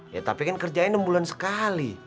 ya tapi kan kerjain enam bulan sekali